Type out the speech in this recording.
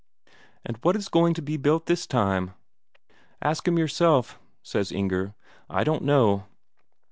"And what is he going to build this time?" "Ask him yourself," says Inger. "I don't know."